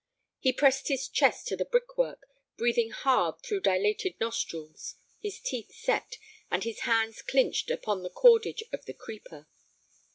He pressed his chest to the brickwork, breathing hard through dilated nostrils, his teeth set, and his hands clinched upon the cordage of the creeper.